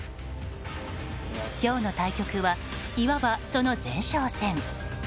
今日の対局は、いわばその前哨戦。